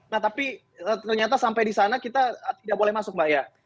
nah tapi ternyata sampai di sana kita tidak boleh masuk mbak ya